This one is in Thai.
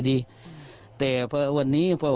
ก็คุณตามมาอยู่กรงกีฬาดครับ